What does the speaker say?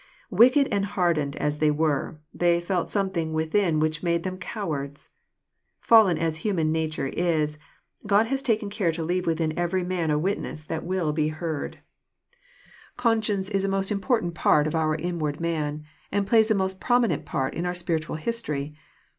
Wicked and hardened as thej'^ were, they felt something within which made them cowards. Fallen as human nature is, God has taken care to leave within «very man a witness that will be heard. 64 EXP08IT0BT THOUGHTS. Conscience is a most important part of our inward man, and plays a most prominent part in oar spiritnal history.